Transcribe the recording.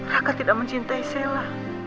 raka tidak mencintai sela